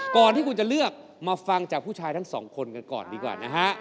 ก่อนที่คุณจะเลือกมาฟังจากผู้ชายทั้งสองคนกันก่อนดีกว่านะฮะ